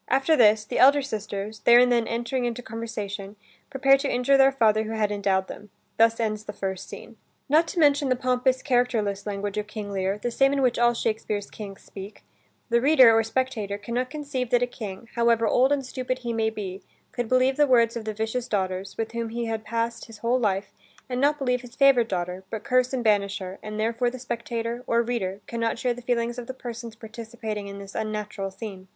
After this, the elder sisters, there and then entering into conversation, prepare to injure their father who had endowed them. Thus ends the first scene. Not to mention the pompous, characterless language of King Lear, the same in which all Shakespeare's Kings speak, the reader, or spectator, can not conceive that a King, however old and stupid he may be, could believe the words of the vicious daughters, with whom he had passed his whole life, and not believe his favorite daughter, but curse and banish her; and therefore the spectator, or reader, can not share the feelings of the persons participating in this unnatural scene.